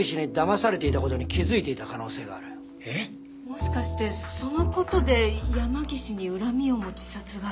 もしかしてその事で山岸に恨みを持ち殺害。